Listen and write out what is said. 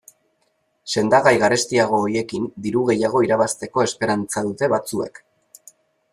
Sendagai garestiago horiekin diru gehiago irabazteko esperantza dute batzuek.